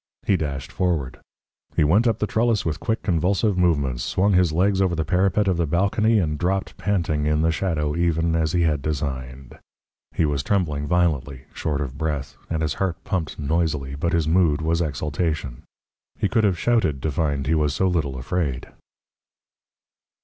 He dashed forward. He went up the trellis with quick, convulsive movements, swung his legs over the parapet of the balcony, and dropped panting in the shadow even as he had designed. He was trembling violently, short of breath, and his heart pumped noisily, but his mood was exultation. He could have shouted to find he was so little afraid.